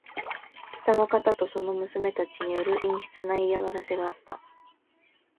北の方とその娘たちによる陰湿な嫌がらせがあった。